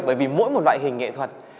bởi vì mỗi một loại hình nghệ thuật